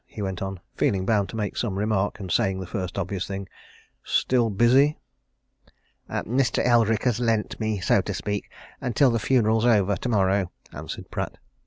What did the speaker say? he went on, feeling bound to make some remark, and saying the first obvious thing. "Still busy?" "Mr. Eldrick has lent me so to speak until the funeral's over, tomorrow," answered Pratt.